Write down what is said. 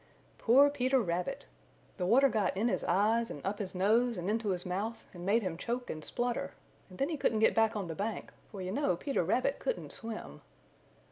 Poor Peter Rabbit! The water got in his eyes and up his nose and into his mouth and made him choke and splutter, and then he couldn't get back on the bank, for you know Peter Rabbit couldn't swim.